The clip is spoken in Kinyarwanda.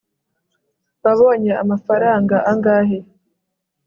wabonye amafaranga angahe